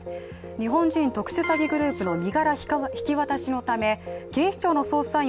日本人特殊詐欺グループの身柄引き渡しのため警視庁の捜査員